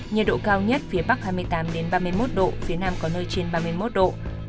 nhiệt độ cao nhất phía bắc hai mươi tám ba mươi một độ phía nam có nơi trên ba mươi một độ